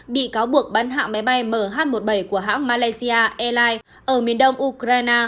bị cáo buộc bắn hạ máy bay mh một mươi bảy của hãng malaysia airlines ở miền đông ukraine